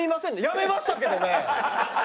「やめましたけどね！」。